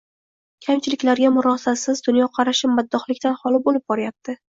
kamchiliklarga murosasiz, dunyoqarashi maddohlikdan xoli bo‘lib boryapti.